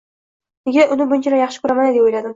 Nega uni bunchalar yaxshi ko`raman-a, deya o`yladim